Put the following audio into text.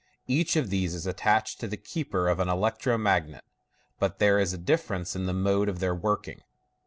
Each of these is attached to the keeper of an electro magnet, but there is a dilference in the mode of their working.